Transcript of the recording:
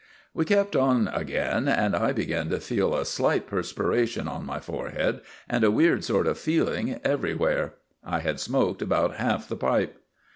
We kept on again, and I began to feel a slight perspiration on my forehead and a weird sort of feeling everywhere. I had smoked about half the pipe.